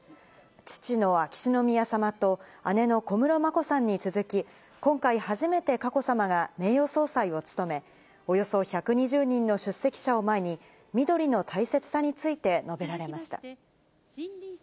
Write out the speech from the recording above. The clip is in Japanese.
父の秋篠宮さまと、姉の小室眞子さんに続き、今回、初めて佳子さまが名誉総裁を務め、およそ１２０人の出席者を前に、みどりの大切さについて述べられました。